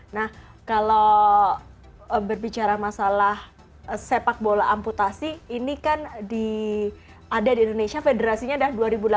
nah kalau berbicara masalah sepak bola amputasi ini kan ada di indonesia federasinya adalah dua ribu delapan belas